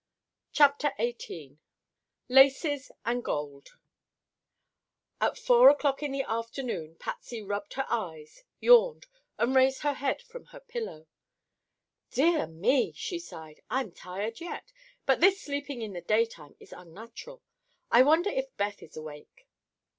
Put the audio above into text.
CHAPTER XVIII—LACES AND GOLD At four o'clock in the afternoon Patsy rubbed her eyes, yawned and raised her head from her pillow. "Dear me!" she sighed, "I'm tired yet, but this sleeping in the daytime is unnatural. I wonder if Beth is awake."